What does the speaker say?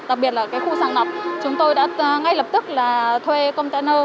đặc biệt là khu sàn lọc chúng tôi đã ngay lập tức thuê container